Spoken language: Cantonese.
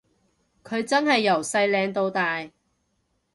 佢真係由細靚到大